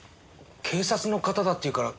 警察の方だって言うからてっきり。